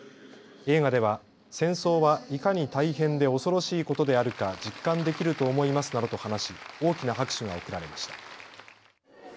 映画では戦争はいかに大変で恐ろしいことであるか実感できると思いますなどと話し大きな拍手が送られました。